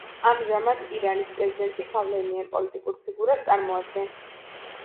ამჟამად ირანის პრეზიდენტი გავლენიან პოლიტიკურ ფიგურას წარმოადგენს.